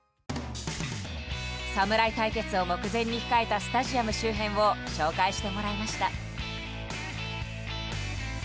侍対決を目前に控えたスタジアム周辺を紹介してもらいました。